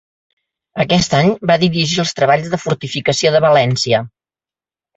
Aquest any va dirigir els treballs de fortificació de València.